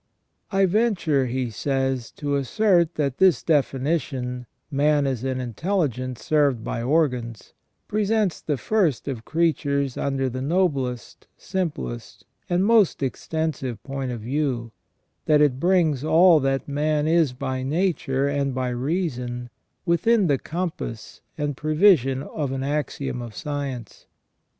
" I venture," he says, "to assert that this definition, 'man is an intelligence served by organs,' presents the first of creatures under the noblest, simplest, and most extensive point of view ; that it brings all that man is by nature and by reason within the compass and prevision of an axiom of science.